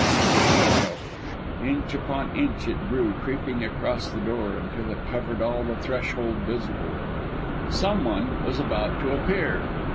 A shadow!... Inch upon inch it grew creeping across the door, until it covered all the threshold visible. Someone was about to appear.